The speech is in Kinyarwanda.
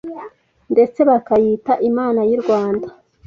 ndetse bakayita Imana y’i Rwanda.